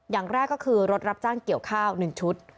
อย่างแรกก็คือรถรับจ้างเกี่ยวข้าว๑ชุด